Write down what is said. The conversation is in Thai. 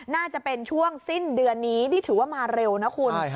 น่าจะเป็นช่วงสิ้นเดือนนี้นี่ถือว่ามาเร็วนะคุณ